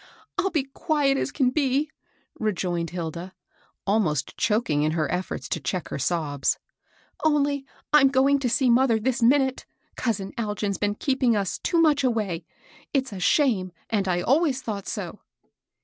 " I'll be quiet as can be," rejoined Hilda, almost choking in her eflforts to cheek her sobs ;" only I'm going to see mother this minute. Cousin Al gin's been keeping us too much away. It's a shame, and I always thought so."